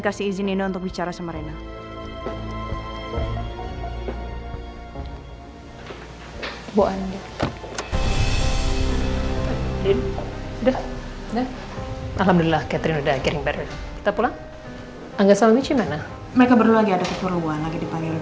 rendy itu adalah calon suami yang baik membuat buktinya